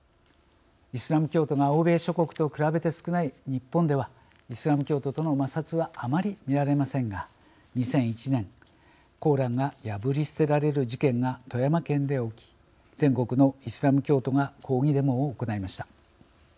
イスラム教徒が欧米諸国と比べて少ない日本ではイスラム教徒との摩擦はあまり見られませんが２００１年コーランが破り捨てられる事件が富山県で起き全国のイスラム教徒が抗議デモを行いました。